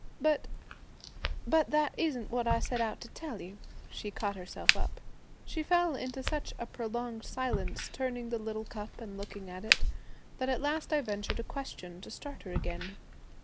But but that isn't what I set out to tell you,' she caught herself up. She fell into such a prolonged silence, turning the little cup, and looking at it, that at last I ventured a question to start her again.